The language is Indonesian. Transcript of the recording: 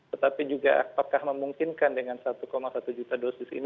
tetapi juga apakah memungkinkan dengan satu satu juta dosis ini